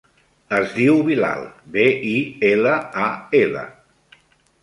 Es diu Bilal: be, i, ela, a, ela.